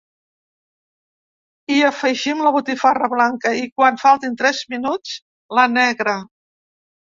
Hi afegim la botifarra blanca i, quan faltin tres minuts, la negra.